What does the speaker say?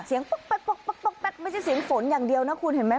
เสียงปุ๊กปุ๊กปุ๊กปุ๊กปุ๊กปุ๊กไม่ใช่เสียงฝนอย่างเดียวนะคุณเห็นไหม